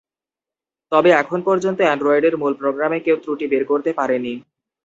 তবে এখন পর্যন্ত অ্যান্ড্রয়েডের মূল প্রোগ্রামে কেউ ত্রুটি বের করতে পারেনি।